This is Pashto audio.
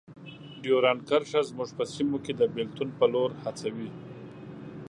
ډیورنډ کرښه زموږ په سیمو کې د بیلتون په لور هڅوي.